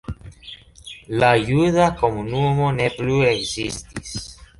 La juda komunumo ne plu ekzistis.